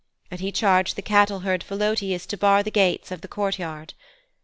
And he charged the cattleherd Philœtius to bar the gates of the courtyard.